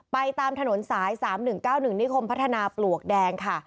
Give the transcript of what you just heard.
ตามถนนสาย๓๑๙๑นิคมพัฒนาปลวกแดงค่ะ